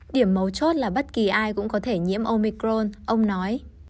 điểm mấu chốt là bất kỳ ai cũng có thể nhiễm omicron ông nói